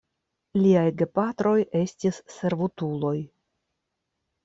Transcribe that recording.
Liaj gepatroj estis servutuloj.